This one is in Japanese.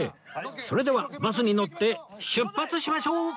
それではバスに乗って出発しましょう！